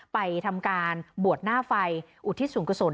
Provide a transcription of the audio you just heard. ไปทำการบวชหน้าไฟอุทิศศูนย์กระสน